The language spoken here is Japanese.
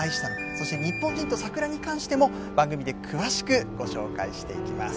そして、日本人と桜に関しても番組で詳しくご紹介していきます。